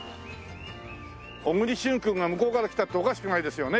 小栗旬君が向こうから来たっておかしくないですよね。